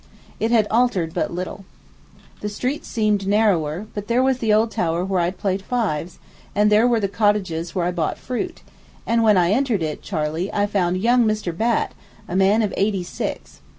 It had altered but little. The streets seemed narrower; but there was the old tower where I had played fives, and there was the cottage where I bought fruit; and when I entered it, Charley, I found "young Mr. Batt" a man of eighty six.